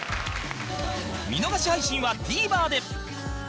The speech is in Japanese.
見逃し配信は ＴＶｅｒ で